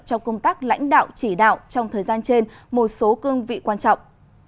trong công tác lãnh đạo chỉ đạo trong thời gian trên một số cương vị quan trọng